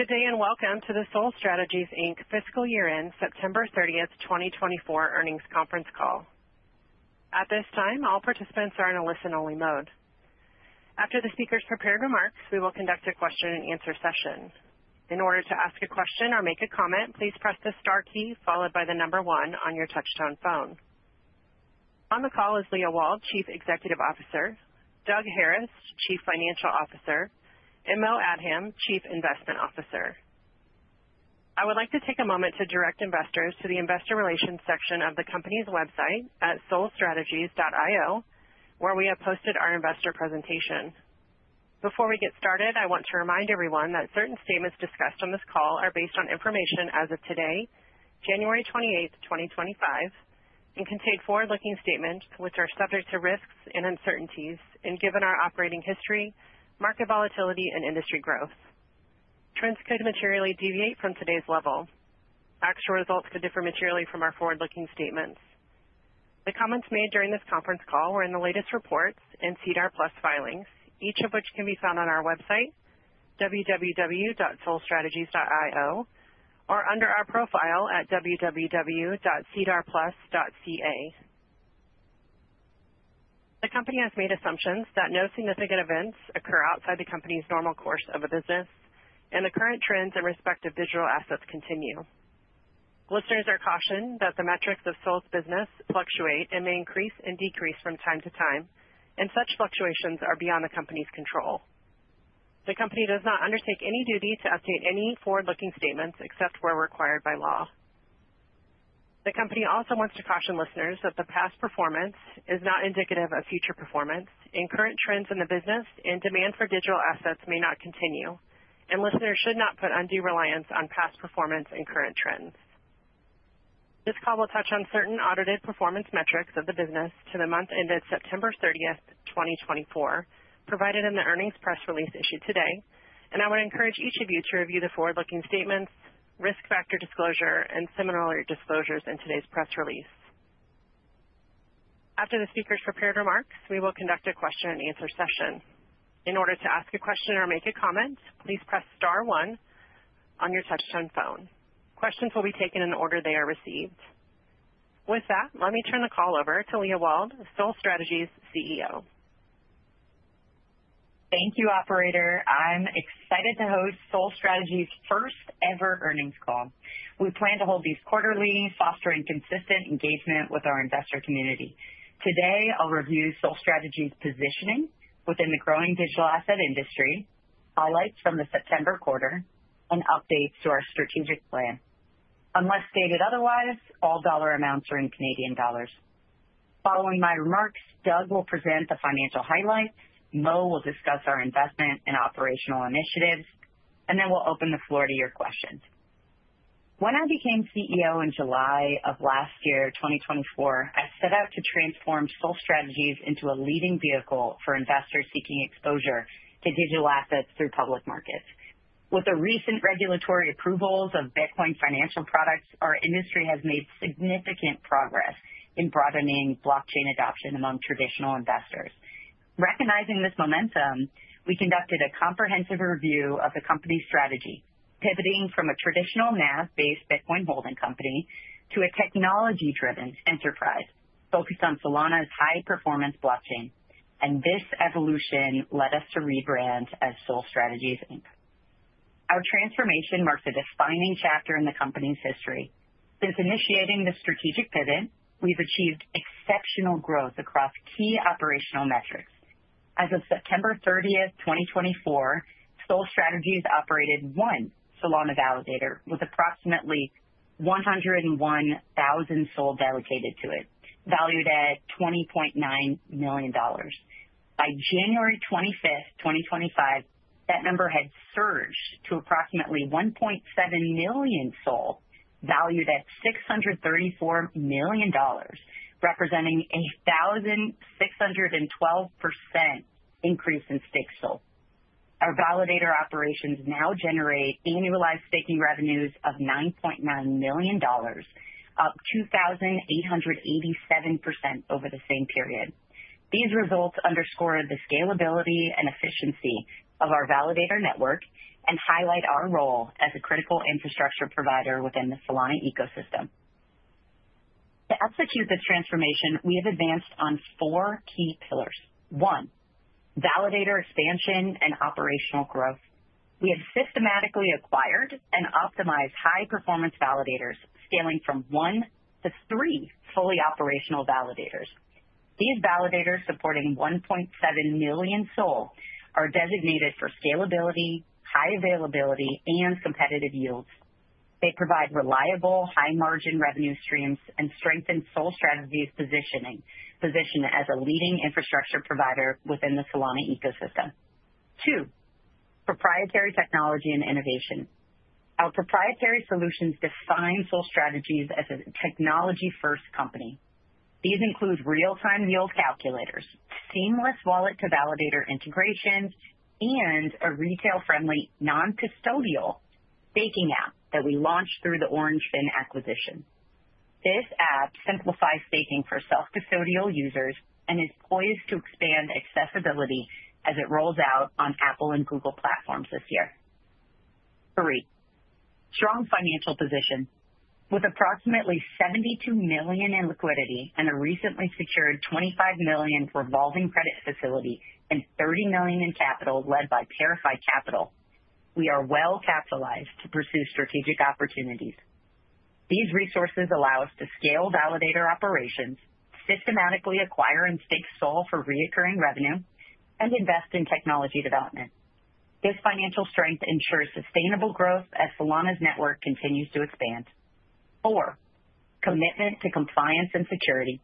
Good day and welcome to the SOL Strategies Inc fiscal year-end September 30th, 2024 earnings conference call. At this time, all participants are in a listen-only mode. After the speaker's prepared remarks, we will conduct a question-and-answer session. In order to ask a question or make a comment, please press the star key followed by the number one on your touch-tone phone. On the call is Leah Wald, Chief Executive Officer, Doug Harris, Chief Financial Officer, and Moe Adham, Chief Investment Officer. I would like to take a moment to direct investors to the investor relations section of the company's website at solstrategies.io, where we have posted our investor presentation. Before we get started, I want to remind everyone that certain statements discussed on this call are based on information as of today, January 28th, 2025, and contain forward-looking statements which are subject to risks and uncertainties and given our operating history, market volatility, and industry growth. Trends could materially deviate from today's level. Actual results could differ materially from our forward-looking statements. The comments made during this conference call were in the latest reports and SEDAR+ filings, each of which can be found on our website, www.solstrategies.io, or under our profile at www.sedarplus.ca. The company has made assumptions that no significant events occur outside the company's normal course of business, and the current trends in respect of digital assets continue. Listeners are cautioned that the metrics of SOL's business fluctuate and may increase and decrease from time to time, and such fluctuations are beyond the company's control. The company does not undertake any duty to update any forward-looking statements except where required by law. The company also wants to caution listeners that the past performance is not indicative of future performance, and current trends in the business and demand for digital assets may not continue, and listeners should not put undue reliance on past performance and current trends. This call will touch on certain audited performance metrics of the business to the month ended September 30th, 2024, provided in the earnings press release issued today, and I would encourage each of you to review the forward-looking statements, risk factor disclosure, and similar disclosures in today's press release. After the speaker's prepared remarks, we will conduct a question-and-answer session. In order to ask a question or make a comment, please press star one on your touch-tone phone. Questions will be taken in order they are received. With that, let me turn the call over to Leah Wald, SOL Strategies CEO. Thank you, Operator. I'm excited to host SOL Strategies' first-ever earnings call. We plan to hold these quarterly, fostering consistent engagement with our investor community. Today, I'll review SOL Strategies' positioning within the growing digital asset industry, highlights from the September quarter, and updates to our strategic plan. Unless stated otherwise, all dollar amounts are in Canadian dollars. Following my remarks, Doug will present the financial highlights, Moe will discuss our investment and operational initiatives, and then we'll open the floor to your questions. When I became CEO in July of last year, 2024, I set out to transform SOL Strategies into a leading vehicle for investors seeking exposure to digital assets through public markets. With the recent regulatory approvals of Bitcoin financial products, our industry has made significant progress in broadening blockchain adoption among traditional investors. Recognizing this momentum, we conducted a comprehensive review of the company's strategy, pivoting from a traditional NASDAQ-based Bitcoin holding company to a technology-driven enterprise focused on Solana's high-performance blockchain, and this evolution led us to rebrand as SOL Strategies Inc. Our transformation marks a defining chapter in the company's history. Since initiating the strategic pivot, we've achieved exceptional growth across key operational metrics. As of September 30th, 2024, SOL Strategies operated one Solana validator with approximately 101,000 SOL delegated to it, valued at 20.9 million dollars. By January 25th, 2025, that number had surged to approximately 1.7 million SOL, valued at 634 million dollars, representing a 1,612% increase in staked SOL. Our validator operations now generate annualized staking revenues of 9.9 million dollars, up 2,887% over the same period. These results underscore the scalability and efficiency of our validator network and highlight our role as a critical infrastructure provider within the Solana ecosystem. To execute the transformation, we have advanced on four key pillars. One, validator expansion and operational growth. We have systematically acquired and optimized high-performance validators, scaling from one to three fully operational validators. These validators, supporting 1.7 million SOL, are designated for scalability, high availability, and competitive yields. They provide reliable, high-margin revenue streams and strengthen SOL Strategies' positioning as a leading infrastructure provider within the Solana ecosystem. Two, proprietary technology and innovation. Our proprietary solutions define SOL Strategies as a technology-first company. These include real-time yield calculators, seamless wallet-to-validator integrations, and a retail-friendly, non-custodial staking app that we launched through the Orangefin acquisition. This app simplifies staking for self-custodial users and is poised to expand accessibility as it rolls out on Apple and Google platforms this year. Three, strong financial position. With approximately 72 million in liquidity and a recently secured 25 million revolving credit facility and 30 million in capital led by ParaFi Capital, we are well-capitalized to pursue strategic opportunities. These resources allow us to scale validator operations, systematically acquire and stake SOL for recurring revenue, and invest in technology development. This financial strength ensures sustainable growth as Solana's network continues to expand. Fourth, commitment to compliance and security.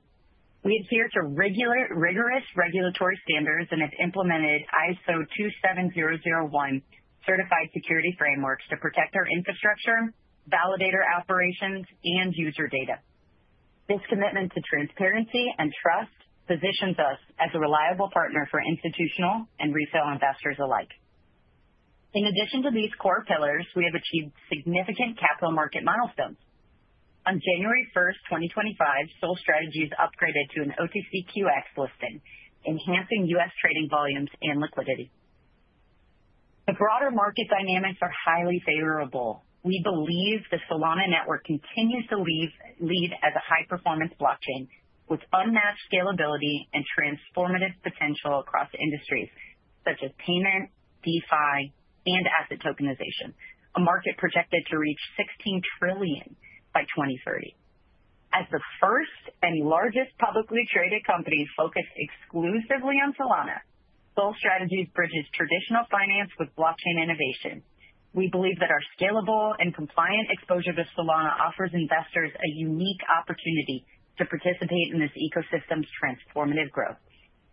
We adhere to rigorous regulatory standards and have implemented ISO 27001 certified security frameworks to protect our infrastructure, validator operations, and user data. This commitment to transparency and trust positions us as a reliable partner for institutional and retail investors alike. In addition to these core pillars, we have achieved significant capital market milestones. On January 1st, 2025, SOL Strategies upgraded to an OTCQX listing, enhancing U.S. trading volumes and liquidity. The broader market dynamics are highly favorable. We believe the Solana network continues to lead as a high-performance blockchain with unmatched scalability and transformative potential across industries such as payment, DeFi, and asset tokenization, a market projected to reach 16 trillion by 2030. As the first and largest publicly traded company focused exclusively on Solana, SOL Strategies bridges traditional finance with blockchain innovation. We believe that our scalable and compliant exposure to Solana offers investors a unique opportunity to participate in this ecosystem's transformative growth.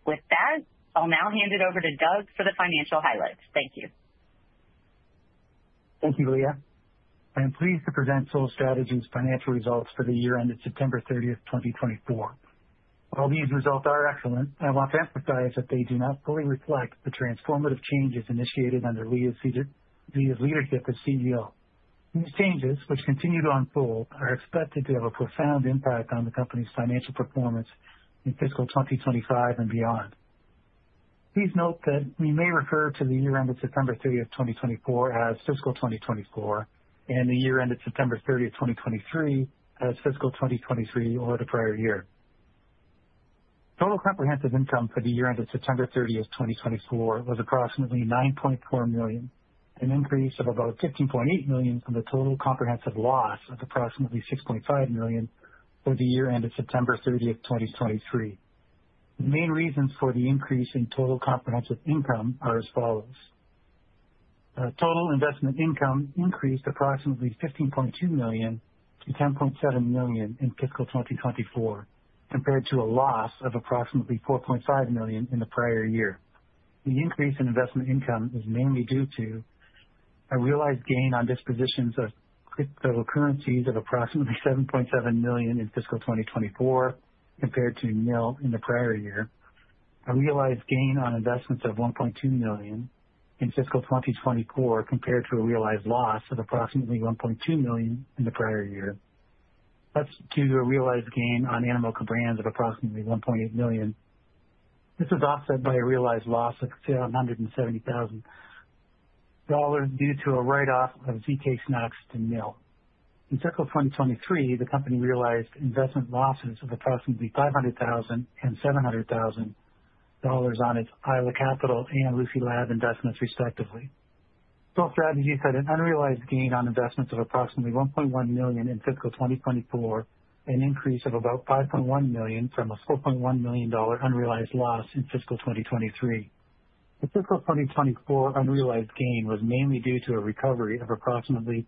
With that, I'll now hand it over to Doug for the financial highlights. Thank you. Thank you, Leah. I am pleased to present SOL Strategies' financial results for the year-end of September 30th, 2024. While these results are excellent, I want to emphasize that they do not fully reflect the transformative changes initiated under Leah's leadership as CEO. These changes, which continue to unfold, are expected to have a profound impact on the company's financial performance in fiscal 2025 and beyond. Please note that we may refer to the year-end of September 30th, 2024, as fiscal 2024, and the year-end of September 30th, 2023, as fiscal 2023 or the prior year. Total comprehensive income for the year-end of September 30th, 2024, was approximately 9.4 million, an increase of about 15.8 million from the total comprehensive loss of approximately 6.5 million for the year-end of September 30th, 2023. The main reasons for the increase in total comprehensive income are as follows. Total investment income increased approximately 15.2 million to 10.7 million in fiscal 2024, compared to a loss of approximately 4.5 million in the prior year. The increase in investment income is mainly due to a realized gain on dispositions of cryptocurrencies of approximately 7.7 million in fiscal 2024, compared to CAD 0 in the prior year. A realized gain on investments of 1.2 million in fiscal 2024, compared to a realized loss of approximately 1.2 million in the prior year. That's due to a realized gain on Animoca Brands of approximately 1.8 million. This is offset by a realized loss of 770,000 dollars due to a write-off of zkSNACKs to CAD 0. In fiscal 2023, the company realized investment losses of approximately 500,000 and 700,000 dollars on its Isla Capital and Lucy Labs investments, respectively. SOL Strategies had an unrealized gain on investments of approximately 1.1 million in fiscal 2024, an increase of about 5.1 million from a 4.1 million dollar unrealized loss in fiscal 2023. The fiscal 2024 unrealized gain was mainly due to a recovery of approximately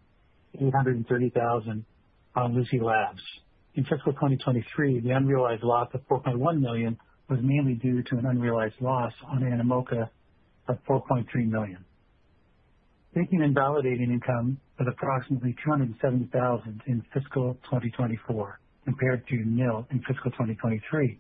830,000 on Lucy Labs. In fiscal 2023, the unrealized loss of 4.1 million was mainly due to an unrealized loss on Animoca of 4.3 million. Staking and validating income was approximately 270,000 in fiscal 2024, compared to CAD 0 in fiscal 2023.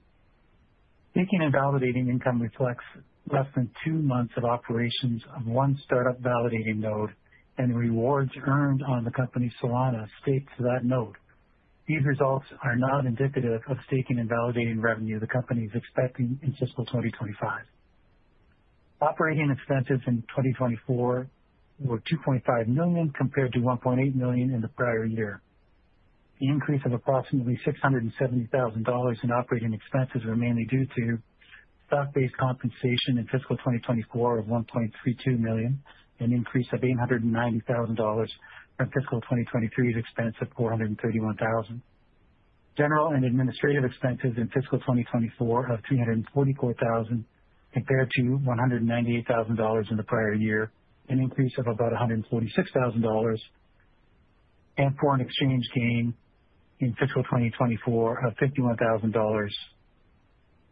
Staking and validating income reflects less than two months of operations of one startup validating node, and the rewards earned on the company's Solana staked to that node. These results are not indicative of staking and validating revenue the company is expecting in fiscal 2025. Operating expenses in 2024 were 2.5 million compared to 1.8 million in the prior year. The increase of approximately 670,000 dollars in operating expenses was mainly due to stock-based compensation in fiscal 2024 of 1.32 million, an increase of 890,000 dollars from fiscal 2023's expense of 431,000. General and administrative expenses in fiscal 2024 of 344,000 compared to 198,000 dollars in the prior year, an increase of about 146,000 dollars, and foreign exchange gain in fiscal 2024 of 51,000 dollars,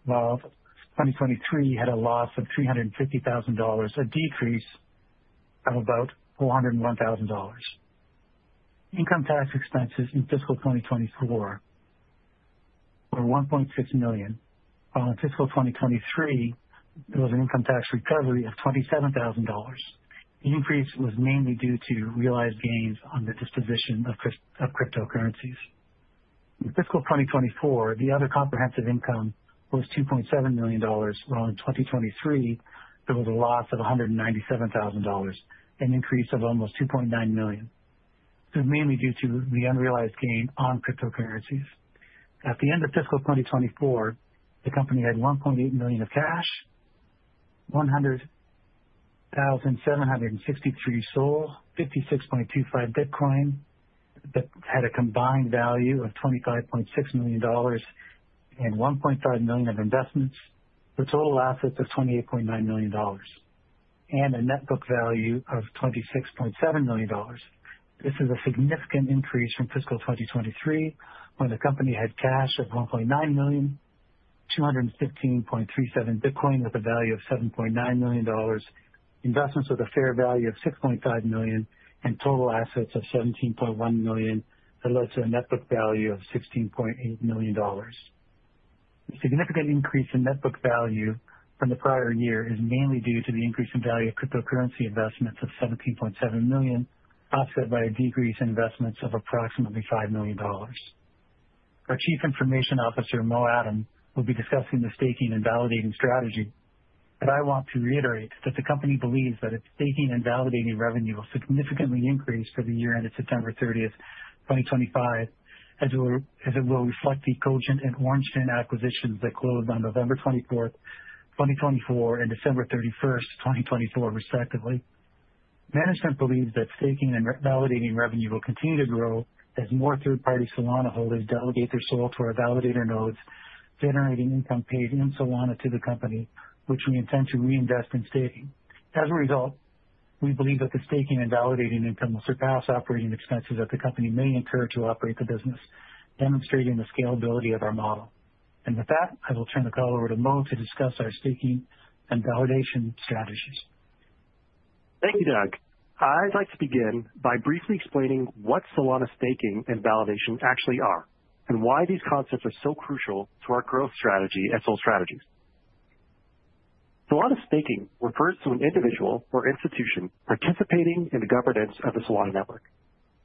while 2023 had a loss of 350,000 dollars, a decrease of about 401,000 dollars. Income tax expenses in fiscal 2024 were 1.6 million, while in fiscal 2023, there was an income tax recovery of 27,000 dollars. The increase was mainly due to realized gains on the disposition of cryptocurrencies. In fiscal 2024, the other comprehensive income was 2.7 million dollars, while in 2023, there was a loss of 197,000 dollars, an increase of almost 2.9 million. This was mainly due to the unrealized gain on cryptocurrencies. At the end of fiscal 2024, the company had 1.8 million of cash, 100,763 SOL, 56.25 Bitcoin that had a combined value of 25.6 million dollars and 1.5 million of investments, the total assets of 28.9 million dollars, and a net book value of 26.7 million dollars. This is a significant increase from fiscal 2023, when the company had cash of 1.9 million, 215.37 Bitcoin with a value of 7.9 million dollars, investments with a fair value of 6.5 million, and total assets of 17.1 million that led to a net book value of 16.8 million dollars. A significant increase in net book value from the prior year is mainly due to the increase in value of cryptocurrency investments of 17.7 million, offset by a decrease in investments of approximately 5 million dollars. Our Chief Investment Officer, Moe Adham, will be discussing the staking and validating strategy, but I want to reiterate that the company believes that its staking and validating revenue will significantly increase for the year-end of September 30th, 2025, as it will reflect the Cogent and Orangefin acquisitions that closed on November 24th, 2024, and December 31st, 2024, respectively. Management believes that staking and validating revenue will continue to grow as more third-party Solana holders delegate their SOL to our validator nodes, generating income paid in Solana to the company, which we intend to reinvest in staking. As a result, we believe that the staking and validating income will surpass operating expenses that the company may incur to operate the business, demonstrating the scalability of our model, and with that, I will turn the call over to Moe to discuss our staking and validation strategies. Thank you, Doug. I'd like to begin by briefly explaining what Solana staking and validation actually are, and why these concepts are so crucial to our growth strategy at SOL Strategies. Solana staking refers to an individual or institution participating in the governance of the Solana network,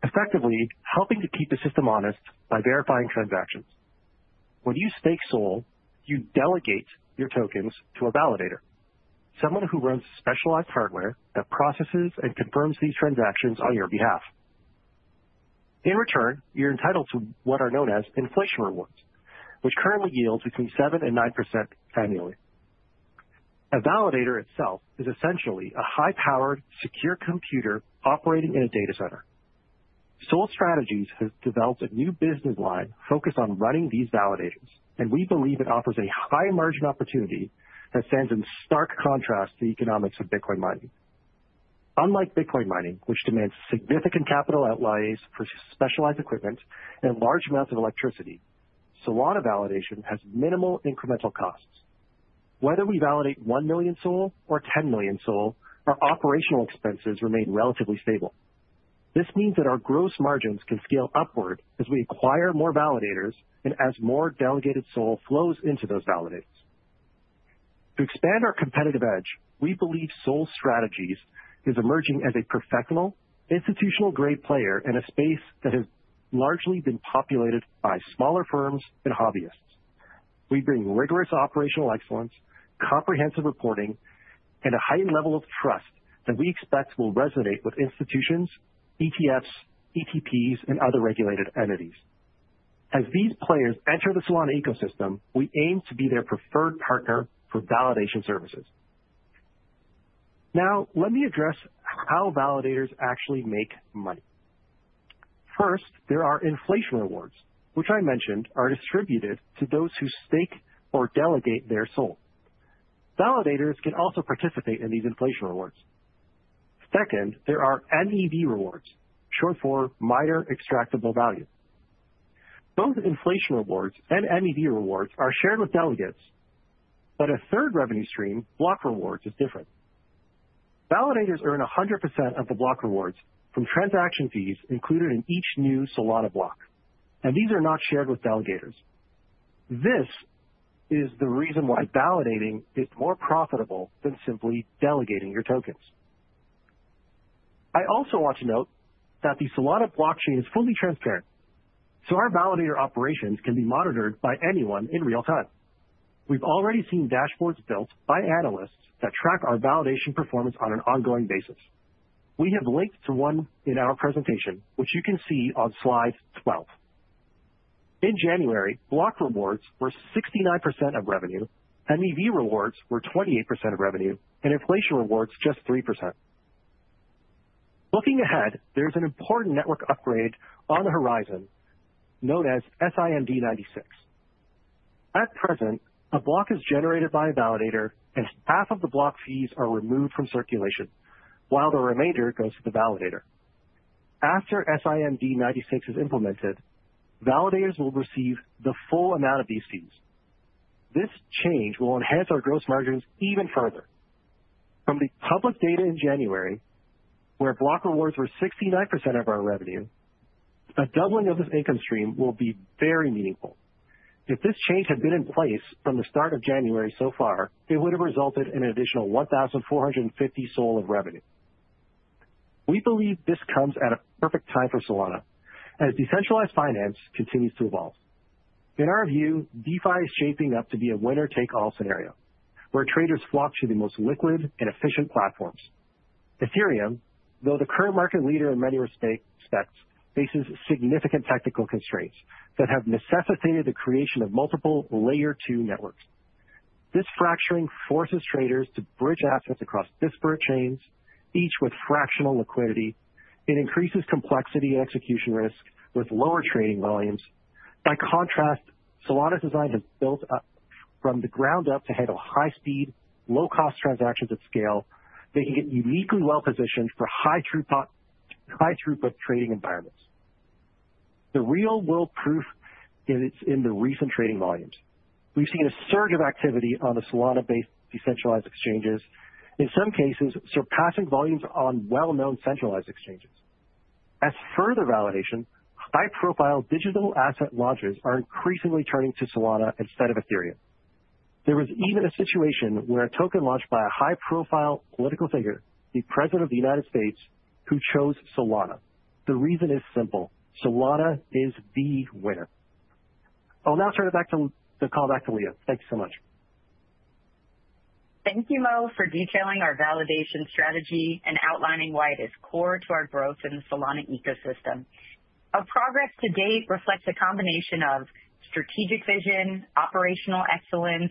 effectively helping to keep the system honest by verifying transactions. When you stake SOL, you delegate your tokens to a validator, someone who runs specialized hardware that processes and confirms these transactions on your behalf. In return, you're entitled to what are known as inflation rewards, which currently yield between 7% and 9% annually. A validator itself is essentially a high-powered, secure computer operating in a data center. SOL Strategies has developed a new business line focused on running these validators, and we believe it offers a high-margin opportunity that stands in stark contrast to the economics of Bitcoin mining. Unlike Bitcoin mining, which demands significant capital outlays for specialized equipment and large amounts of electricity, Solana validation has minimal incremental costs. Whether we validate 1 million SOL or 10 million SOL, our operational expenses remain relatively stable. This means that our gross margins can scale upward as we acquire more validators and as more delegated SOL flows into those validators. To expand our competitive edge, we believe SOL Strategies is emerging as a professional, institutional-grade player in a space that has largely been populated by smaller firms and hobbyists. We bring rigorous operational excellence, comprehensive reporting, and a heightened level of trust that we expect will resonate with institutions, ETFs, ETPs, and other regulated entities. As these players enter the Solana ecosystem, we aim to be their preferred partner for validation services. Now, let me address how validators actually make money. First, there are inflation rewards, which I mentioned are distributed to those who stake or delegate their SOL. Validators can also participate in these inflation rewards. Second, there are MEV rewards, short for Miner Extractable Value. Both inflation rewards and MEV rewards are shared with delegates, but a third revenue stream, block rewards, is different. Validators earn 100% of the block rewards from transaction fees included in each new Solana block, and these are not shared with delegators. This is the reason why validating is more profitable than simply delegating your tokens. I also want to note that the Solana blockchain is fully transparent, so our validator operations can be monitored by anyone in real time. We've already seen dashboards built by analysts that track our validation performance on an ongoing basis. We have links to one in our presentation, which you can see on slide 12. In January, block rewards were 69% of revenue, MEV rewards were 28% of revenue, and inflation rewards just 3%. Looking ahead, there's an important network upgrade on the horizon known as SIMD-96. At present, a block is generated by a validator, and half of the block fees are removed from circulation, while the remainder goes to the validator. After SIMD-96 is implemented, validators will receive the full amount of these fees. This change will enhance our gross margins even further. From the public data in January, where block rewards were 69% of our revenue, a doubling of this income stream will be very meaningful. If this change had been in place from the start of January so far, it would have resulted in an additional 1,450 SOL of revenue. We believe this comes at a perfect time for Solana, as decentralized finance continues to evolve. In our view, DeFi is shaping up to be a winner-take-all scenario, where traders flock to the most liquid and efficient platforms. Ethereum, though the current market leader in many respects, faces significant technical constraints that have necessitated the creation of multiple Layer 2 networks. This fracturing forces traders to bridge assets across disparate chains, each with fractional liquidity. It increases complexity and execution risk with lower trading volumes. By contrast, Solana's design has built up from the ground up to handle high-speed, low-cost transactions at scale, making it uniquely well-positioned for high-throughput trading environments. The real-world proof is in the recent trading volumes. We've seen a surge of activity on the Solana-based decentralized exchanges, in some cases surpassing volumes on well-known centralized exchanges. As further validation, high-profile digital asset launches are increasingly turning to Solana instead of Ethereum. There was even a situation where a token launched by a high-profile political figure, the President of the United States, who chose Solana. The reason is simple: Solana is the winner. I'll now turn it back to Leah. Thank you so much. Thank you, Moe, for detailing our validator strategy and outlining why it is core to our growth in the Solana ecosystem. Our progress to date reflects a combination of strategic vision, operational excellence,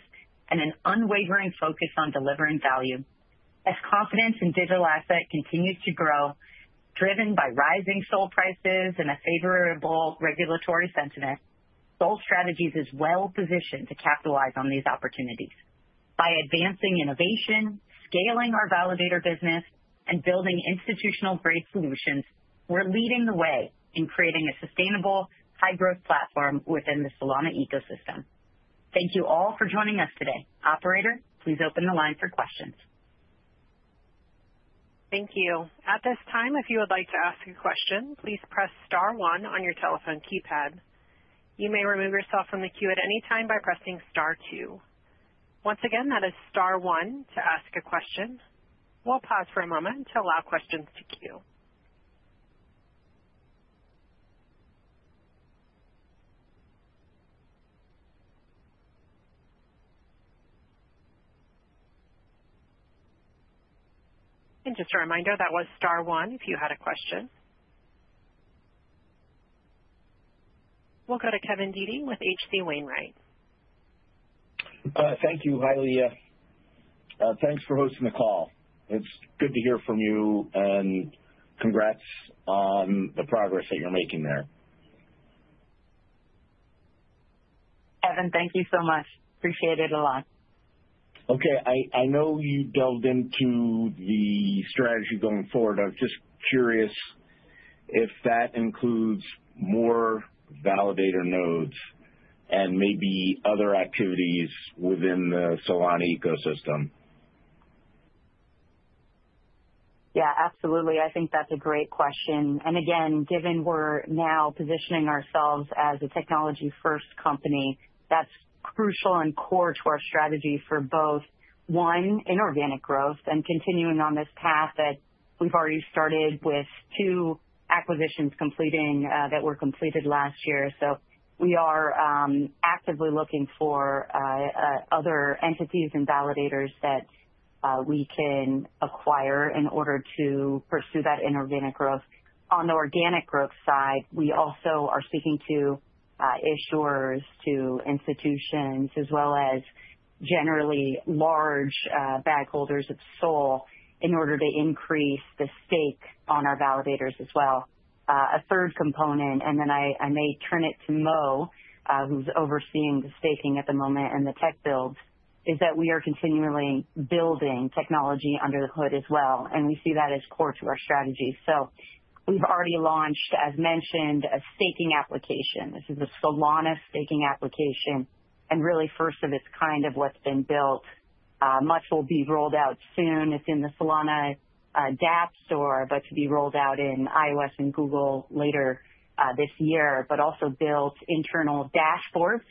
and an unwavering focus on delivering value. As confidence in digital assets continues to grow, driven by rising SOL prices and a favorable regulatory sentiment, SOL Strategies is well-positioned to capitalize on these opportunities. By advancing innovation, scaling our validator business, and building institutional-grade solutions, we're leading the way in creating a sustainable, high-growth platform within the Solana ecosystem. Thank you all for joining us today. Operator, please open the line for questions. Thank you. At this time, if you would like to ask a question, please press star one on your telephone keypad. You may remove yourself from the queue at any time by pressing star two. Once again, that is star one to ask a question. We'll pause for a moment to allow questions to queue. And just a reminder, that was star one if you had a question. We'll go to Kevin Dede with H.C. Wainwright. Thank you highly, Leah. Thanks for hosting the call. It's good to hear from you, and congrats on the progress that you're making there. Kevin, thank you so much. Appreciate it a lot. Okay. I know you delved into the strategy going forward. I'm just curious if that includes more validator nodes and maybe other activities within the Solana ecosystem? Yeah, absolutely. I think that's a great question, and again, given we're now positioning ourselves as a technology-first company, that's crucial and core to our strategy for both, one, inorganic growth and continuing on this path that we've already started with two acquisitions completing that were completed last year, so we are actively looking for other entities and validators that we can acquire in order to pursue that inorganic growth. On the organic growth side, we also are seeking to issue to institutions, as well as generally large bag holders of SOL, in order to increase the stake on our validators as well. A third component, and then I may turn it to Moe, who's overseeing the staking at the moment and the tech build, is that we are continually building technology under the hood as well, and we see that as core to our strategy. We've already launched, as mentioned, a staking application. This is a Solana staking application, and really first of its kind of what's been built. Much will be rolled out soon. It's in the Solana dApp Store, but to be rolled out in iOS and Google later this year, but also built internal dashboards.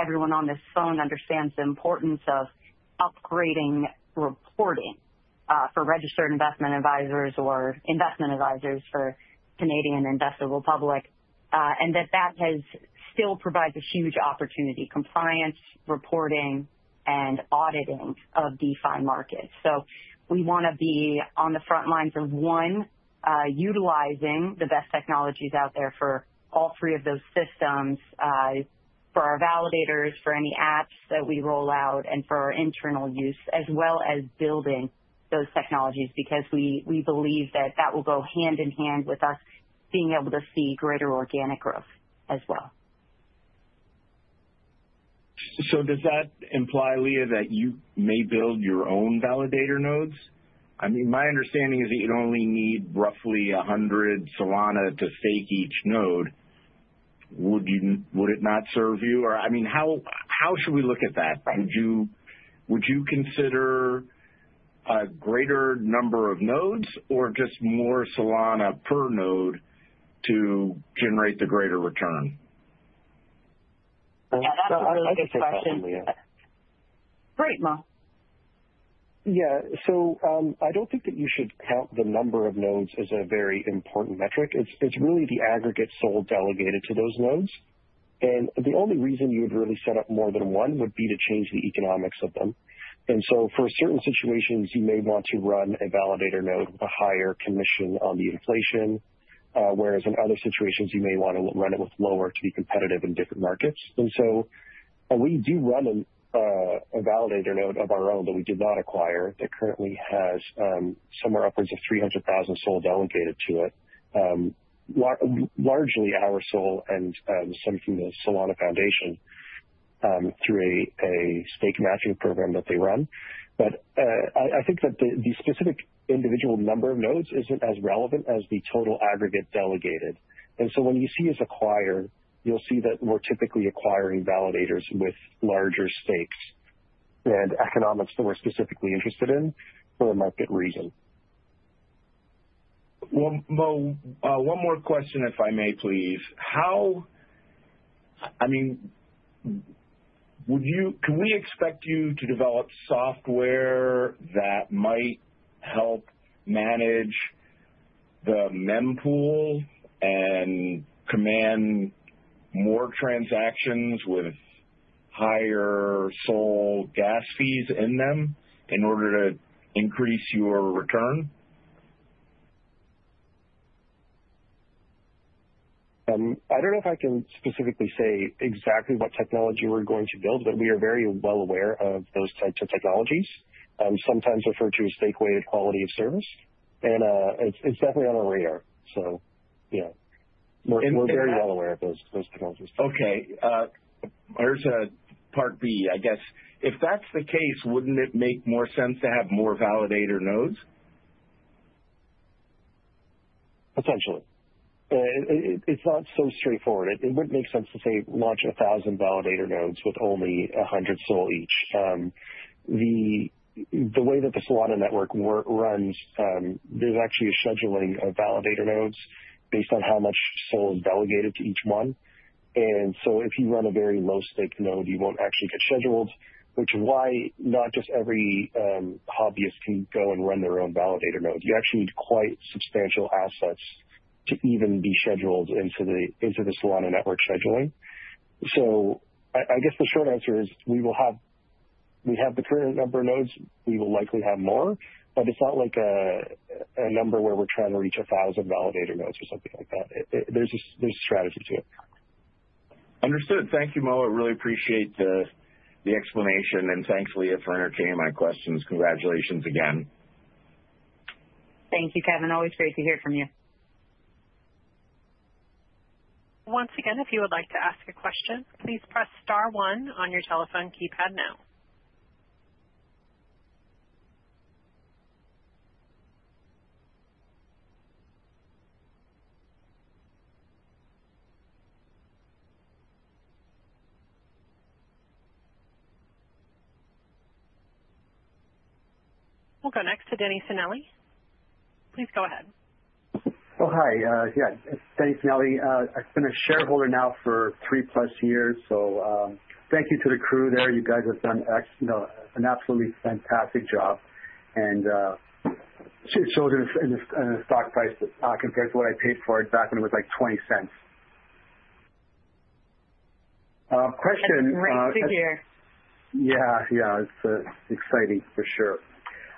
Everyone on this phone understands the importance of upgrading reporting for registered investment advisors or investment advisors for Canadian Investment Regulatory Organization, and that that still provides a huge opportunity: compliance, reporting, and auditing of DeFi markets. So we want to be on the front lines of, one, utilizing the best technologies out there for all three of those systems, for our validators, for any apps that we roll out, and for our internal use, as well as building those technologies, because we believe that that will go hand in hand with us being able to see greater organic growth as well. So does that imply, Leah, that you may build your own validator nodes? I mean, my understanding is that you'd only need roughly 100 Solana to stake each node. Would it not serve you? Or, I mean, how should we look at that? Would you consider a greater number of nodes or just more Solana per node to generate the greater return? Yeah, that's a good question, Leah. Great, Moe. Yeah. So I don't think that you should count the number of nodes as a very important metric. It's really the aggregate SOL delegated to those nodes. And the only reason you would really set up more than one would be to change the economics of them. And so for certain situations, you may want to run a validator node with a higher commission on the inflation, whereas in other situations, you may want to run it with lower to be competitive in different markets. And so we do run a validator node of our own that we did not acquire that currently has somewhere upwards of 300,000 SOL delegated to it, largely our SOL and some from the Solana Foundation through a stake matching program that they run. But I think that the specific individual number of nodes isn't as relevant as the total aggregate delegated. And so when you see us acquire, you'll see that we're typically acquiring validators with larger stakes and economics that we're specifically interested in for a market reason. Moe, one more question, if I may, please. I mean, can we expect you to develop software that might help manage the mempool and command more transactions with higher SOL gas fees in them in order to increase your return? I don't know if I can specifically say exactly what technology we're going to build, but we are very well aware of those types of technologies, sometimes referred to as Stake-Weighted Quality of Service. And it's definitely on our radar. So yeah, we're very well aware of those technologies. Okay. There's a part B, I guess. If that's the case, wouldn't it make more sense to have more validator nodes? Potentially. It's not so straightforward. It wouldn't make sense to say launch 1,000 validator nodes with only 100 SOL each. The way that the Solana network runs, there's actually a scheduling of validator nodes based on how much SOL is delegated to each one. And so if you run a very low-stake node, you won't actually get scheduled, which is why not just every hobbyist can go and run their own validator node. You actually need quite substantial assets to even be scheduled into the Solana network scheduling. So I guess the short answer is we will have the current number of nodes. We will likely have more, but it's not like a number where we're trying to reach 1,000 validator nodes or something like that. There's a strategy to it. Understood. Thank you, Moe. I really appreciate the explanation. And thanks, Leah, for entertaining my questions. Congratulations again. Thank you, Kevin. Always great to hear from you. Once again, if you would like to ask a question, please press star one on your telephone keypad now. We'll go next to Denny Finelli. Please go ahead. Oh, hi. Yeah, Denny Finelli. I've been a shareholder now for 3+ years. So thank you to the crew there. You guys have done an absolutely fantastic job. And sold it at a stock price compared to what I paid for it back when it was like 0.20. Question. Great to hear. Yeah, yeah. It's exciting for sure.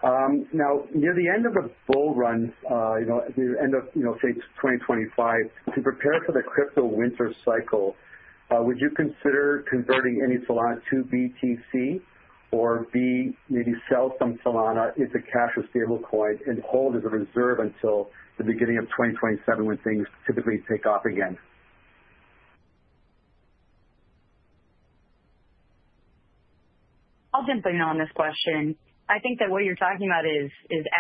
Now, near the end of the bull run, near the end of, say, 2025, to prepare for the crypto winter cycle, would you consider converting any Solana to BTC or ETH, maybe sell some Solana into cash or stablecoin and hold as a reserve until the beginning of 2027 when things typically take off again? I'll jump in on this question. I think that what you're talking about is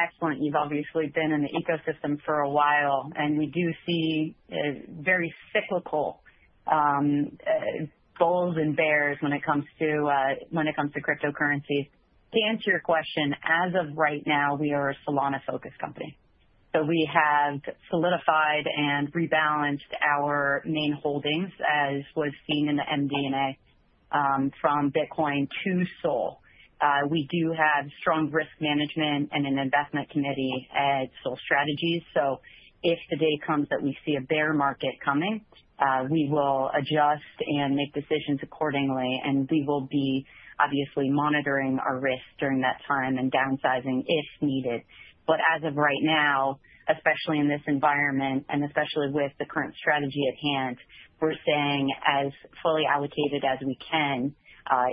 excellent. You've obviously been in the ecosystem for a while, and we do see very cyclical bulls and bears when it comes to cryptocurrencies. To answer your question, as of right now, we are a Solana-focused company. So we have solidified and rebalanced our main holdings, as was seen in the MD&A from Bitcoin to SOL. We do have strong risk management and an investment committee at SOL Strategies. So if the day comes that we see a bear market coming, we will adjust and make decisions accordingly, and we will be obviously monitoring our risk during that time and downsizing if needed. But as of right now, especially in this environment and especially with the current strategy at hand, we're staying as fully allocated as we can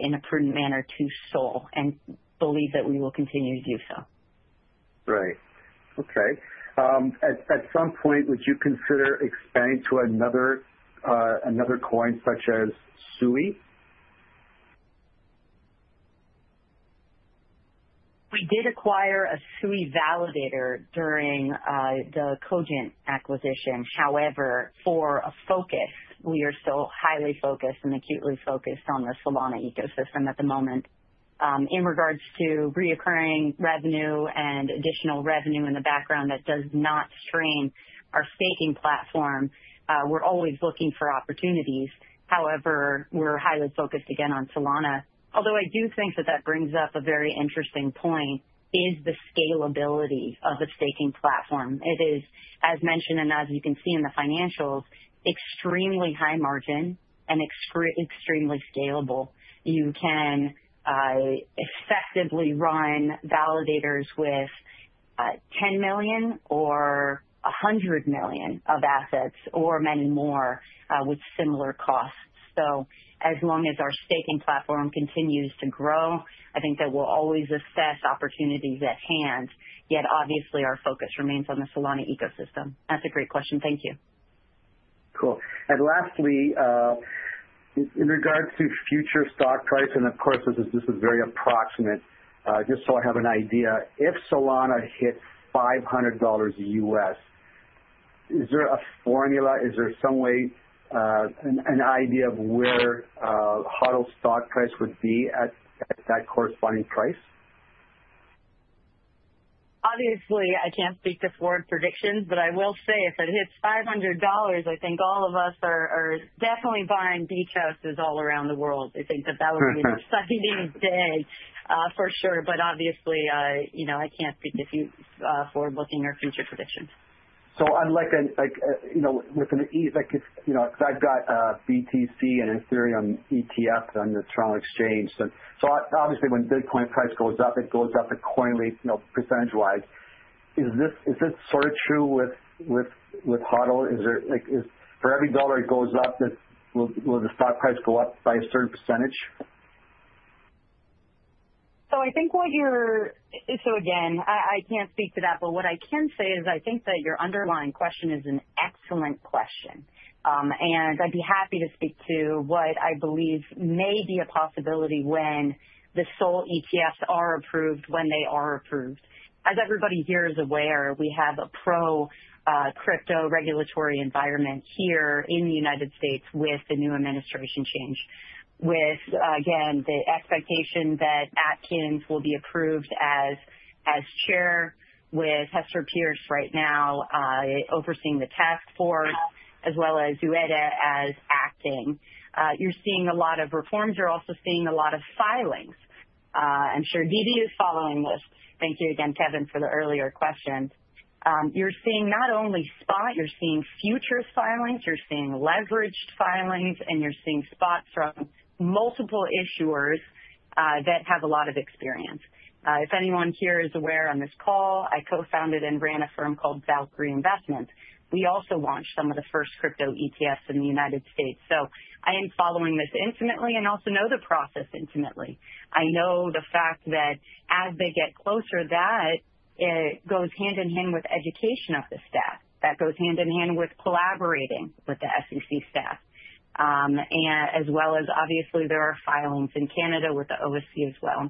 in a prudent manner to SOL and believe that we will continue to do so. Right. Okay. At some point, would you consider expanding to another coin such as Sui? We did acquire a Sui validator during the Cogent acquisition. However, for a focus, we are still highly focused and acutely focused on the Solana ecosystem at the moment. In regards to recurring revenue and additional revenue in the background that does not stream our staking platform, we're always looking for opportunities. However, we're highly focused again on Solana. Although I do think that that brings up a very interesting point, is the scalability of the staking platform. It is, as mentioned and as you can see in the financials, extremely high margin and extremely scalable. You can effectively run validators with 10 million or 100 million of assets or many more with similar costs. So as long as our staking platform continues to grow, I think that we'll always assess opportunities at hand, yet obviously our focus remains on the Solana ecosystem. That's a great question. Thank you. Cool. And lastly, in regards to future stock price, and of course, this is very approximate, just so I have an idea, if Solana hits 500 dollars USD, is there a formula? Is there some way, an idea of where HODL's stock price would be at that corresponding price? Obviously, I can't speak to forward predictions, but I will say if it hits 500 dollars, I think all of us are definitely buying beach houses all around the world. I think that that would be an exciting day for sure, but obviously, I can't speak forward-looking or future predictions. Unlike with an ETH, because I've got a BTC and Ethereum ETF on the Toronto Exchange, so obviously when Bitcoin price goes up, it goes up accordingly percentage-wise. Is this sort of true with HODL? For every dollar it goes up, will the stock price go up by a certain percentage? So I think what you're, so again, I can't speak to that, but what I can say is I think that your underlying question is an excellent question. And I'd be happy to speak to what I believe may be a possibility when the SOL ETFs are approved, when they are approved. As everybody here is aware, we have a pro-crypto regulatory environment here in the United States with the new administration change, with, again, the expectation that Atkins will be approved as chair with Hester Peirce right now, overseeing the task force, as well as Uyeda as acting. You're seeing a lot of reforms. You're also seeing a lot of filings. I'm sure Dede is following this. Thank you again, Kevin, for the earlier question. You're seeing not only spot, you're seeing futures filings, you're seeing leveraged filings, and you're seeing spot from multiple issuers that have a lot of experience. If anyone here is aware on this call, I co-founded and ran a firm called Valkyrie Investments. We also launched some of the first crypto ETFs in the United States. So I am following this intimately and also know the process intimately. I know the fact that as they get closer, that goes hand in hand with education of the staff. That goes hand in hand with collaborating with the SEC staff, as well as obviously there are filings in Canada with the OSC as well.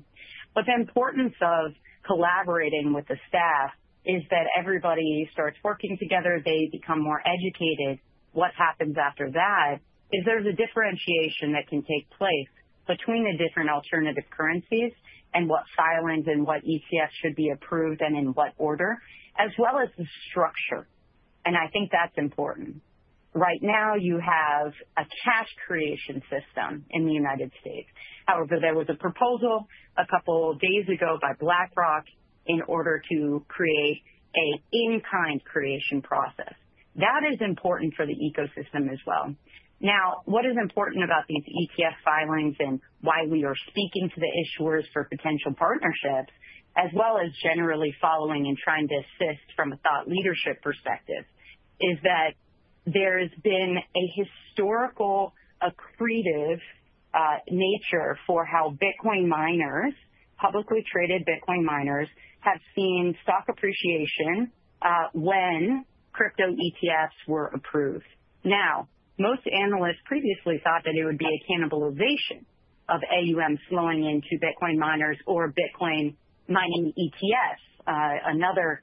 But the importance of collaborating with the staff is that everybody starts working together, they become more educated. What happens after that is there's a differentiation that can take place between the different alternative currencies and what filings and what ETFs should be approved and in what order, as well as the structure, and I think that's important. Right now, you have a cash creation system in the United States. However, there was a proposal a couple of days ago by BlackRock in order to create an in-kind creation process. That is important for the ecosystem as well. Now, what is important about these ETF filings and why we are speaking to the issuers for potential partnerships, as well as generally following and trying to assist from a thought leadership perspective, is that there has been a historical accretive nature for how Bitcoin miners, publicly traded Bitcoin miners, have seen stock appreciation when crypto ETFs were approved. Now, most analysts previously thought that it would be a cannibalization of AUM slowing into Bitcoin miners or Bitcoin mining ETFs. Another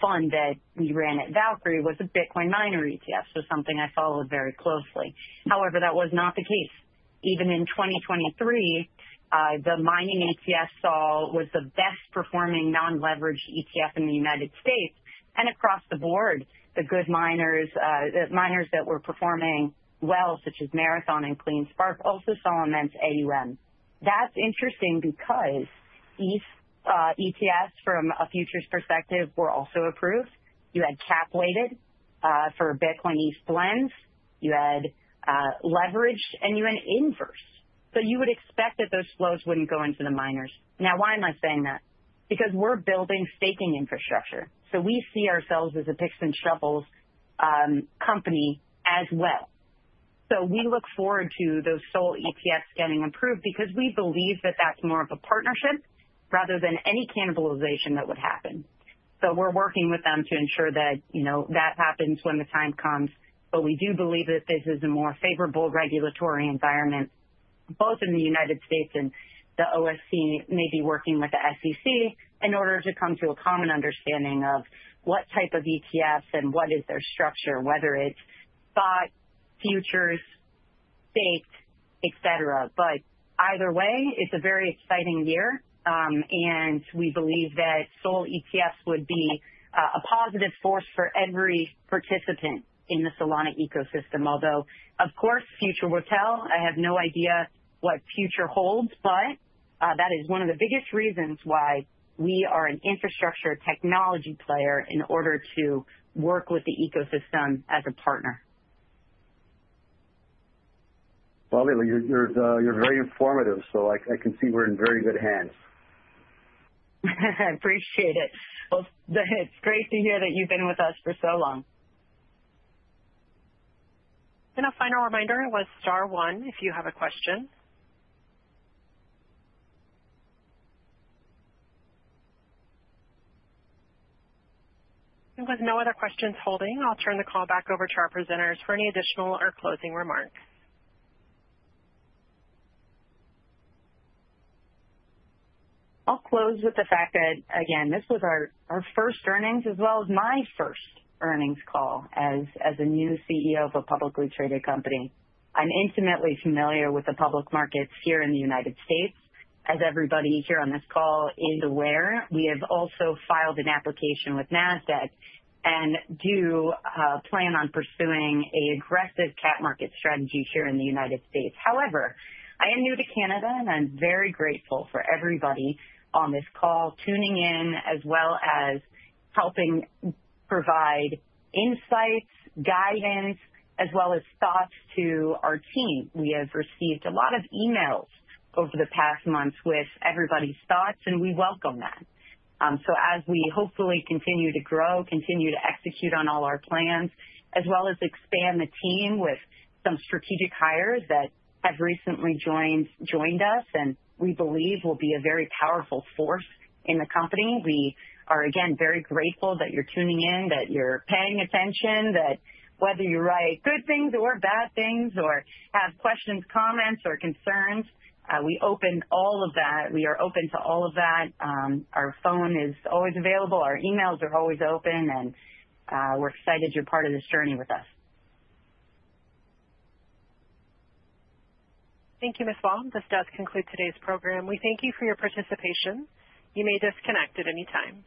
fund that we ran at Valkyrie was a Bitcoin miner ETF, so something I followed very closely. However, that was not the case. Even in 2023, the mining ETF was the best performing non-leveraged ETF in the United States, and across the board, the good miners that were performing well, such as Marathon and CleanSpark, also saw immense AUM. That's interesting because ETFs from a futures perspective were also approved. You had cap-weighted for Bitcoin ETH blends. You had leveraged and you had inverse. So you would expect that those flows wouldn't go into the miners. Now, why am I saying that? Because we're building staking infrastructure, so we see ourselves as a picks and shovels company as well. We look forward to those SOL ETFs getting approved because we believe that that's more of a partnership rather than any cannibalization that would happen. We are working with them to ensure that that happens when the time comes. We do believe that this is a more favorable regulatory environment, both in the United States and the OSC may be working with the SEC in order to come to a common understanding of what type of ETFs and what is their structure, whether it's spot, futures, staked, etc. Either way, it's a very exciting year. We believe that SOL ETFs would be a positive force for every participant in the Solana ecosystem. Although, of course, future will tell. I have no idea what future holds, but that is one of the biggest reasons why we are an infrastructure technology player in order to work with the ecosystem as a partner. Leah, you're very informative, so I can see we're in very good hands. I appreciate it. It's great to hear that you've been with us for so long. A final reminder, it was star one if you have a question. With no other questions holding, I'll turn the call back over to our presenters for any additional or closing remarks. I'll close with the fact that, again, this was our first earnings as well as my first earnings call as a new CEO of a publicly traded company. I'm intimately familiar with the public markets here in the United States. As everybody here on this call is aware, we have also filed an application with NASDAQ and do plan on pursuing an aggressive capital market strategy here in the United States. However, I am new to Canada, and I'm very grateful for everybody on this call tuning in as well as helping provide insights, guidance, as well as thoughts to our team. We have received a lot of emails over the past month with everybody's thoughts, and we welcome that. So as we hopefully continue to grow, continue to execute on all our plans, as well as expand the team with some strategic hires that have recently joined us and we believe will be a very powerful force in the company, we are again very grateful that you're tuning in, that you're paying attention, that whether you write good things or bad things or have questions, comments, or concerns, we open all of that. We are open to all of that. Our phone is always available. Our emails are always open, and we're excited you're part of this journey with us. Thank you, Ms. Wald. This does conclude today's program. We thank you for your participation. You may disconnect at any time.